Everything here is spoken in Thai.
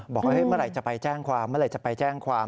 บอกเมื่อไหร่จะไปแจ้งความเมื่อไหร่จะไปแจ้งความ